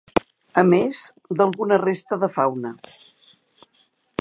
A més, d'alguna resta de fauna.